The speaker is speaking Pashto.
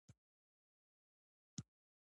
د دې شورا دنده د نوي دوج ټاکل و